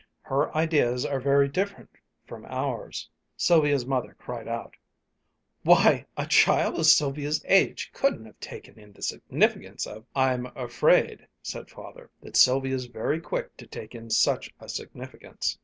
Her ideas are very different from ours." Sylvia's mother cried out, "Why, a child of Sylvia's age couldn't have taken in the significance of " "I'm afraid," said Father, "that Sylvia's very quick to take in such a significance."